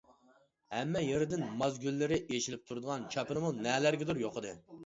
ھەممە يېرىدىن ماز گۈللىرى ئېچىلىپ تۇرىدىغان چاپىنىمۇ نەلەرگىدۇر يوقىدى.